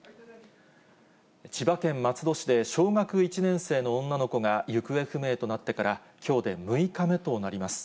千葉県松戸市で小学１年生の女の子が行方不明となってから、きょうで６日目となります。